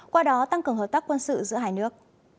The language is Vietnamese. qua đó tăng cường hợp tác quân sự giữa hai nước